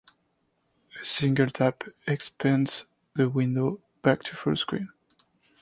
A single tap expands the window back to full screen.